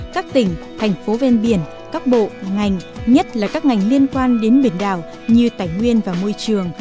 các tỉnh thành phố ven biển các bộ ngành nhất là các ngành liên quan đến biển đảo như tài nguyên và môi trường